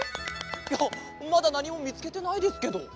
いやまだなにもみつけてないですけど？